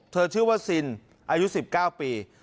ชื่อว่าซินอายุ๑๙ปี